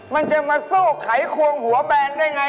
มันจะมาโซ่ไขขวงหัวแบรนด์ได้ไง